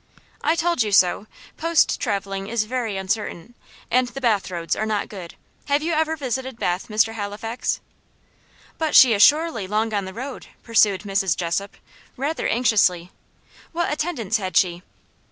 "I told you so. Post travelling is very uncertain, and the Bath roads are not good. Have you ever visited Bath, Mr. Halifax?" "But she is surely long on the road," pursued Mrs. Jessop, rather anxiously. "What attendants had she?"